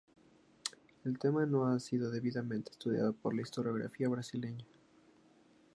El tema no ha sido debidamente estudiado por la historiografía brasileña.